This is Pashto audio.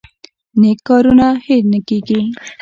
نیک کارونه هیر نه کیږي